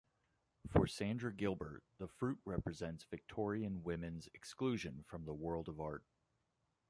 For Sandra Gilbert, the fruit represents Victorian women's exclusion from the world of art.